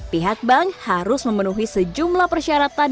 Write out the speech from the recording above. pihak bank harus memenuhi sejumlah persyaratan